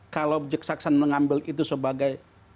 kalau kejaksaan mengambil itu sebagai